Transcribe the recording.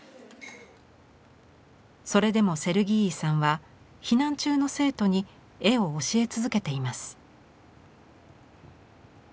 それでもセルギーイさんは避難中の生徒に絵を教え続けています。